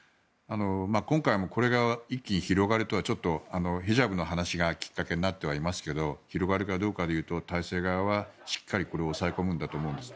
今回もこれが一気に広がるとはちょっとヒジャブの話がきっかけにはなっていますが広がるかどうかでいうと体制側はしっかりこれを抑え込むんだと思うんです。